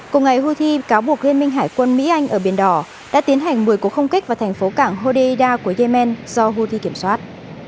cùng ngày houthi cáo buộc liên minh hải quân mỹ anh ở biển đỏ đã tiến hành một mươi cuộc không kích vào thành phố cảng hodeida của yemen do houthi kiểm soát